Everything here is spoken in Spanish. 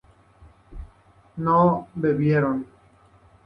¿no bebieron?